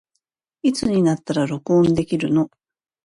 いつになったら録音できるの